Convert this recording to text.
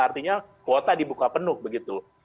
artinya kuota dibuka penuh begitu